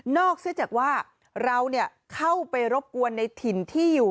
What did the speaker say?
เนื่องจากว่าเราเข้าไปรบกวนในถิ่นที่อยู่